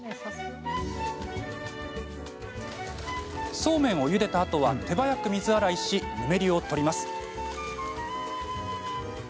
そうめんをゆでたあとは手早く水洗いしぬめりを取ります。